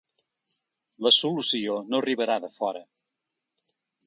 La solució no arribarà de fora.